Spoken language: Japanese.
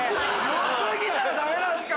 良すぎたらダメなんすか？